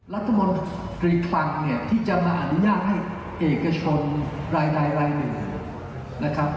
รัฐมนตรีฟังที่จะมาอนุญาตให้เอกชนรายใดรายหนึ่ง